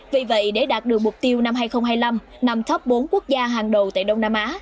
vì vậy để đạt được mục tiêu năm hai nghìn hai mươi năm nằm thấp bốn quốc gia hàng đầu tại đông nam á